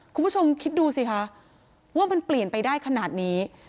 คุณผู้ชมคิดดูสิคะว่ามันเปลี่ยนไปได้ขนาดนี้